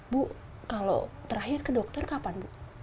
bu kalau terakhir ke dokter kapan bu